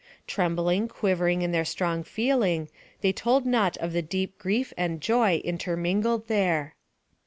Trembling, quivering in their strong feeling, they told not of the deep grief and joy intermingled there.